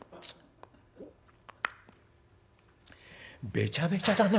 「べちゃべちゃだね